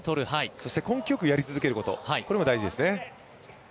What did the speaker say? そして根気よくやり続けることも大事ですね。